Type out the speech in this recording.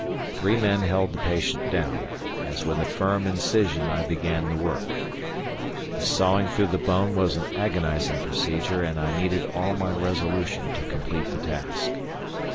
Three men held the patient down, as with a firm incision I began the work. The sawing through the bone was an agonizing procedure, and I needed all my resolution to complete the task.